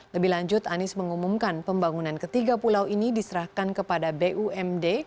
lebih lanjut anies mengumumkan pembangunan ketiga pulau ini diserahkan kepada bumd